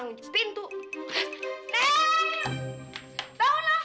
nulis kayak begini ha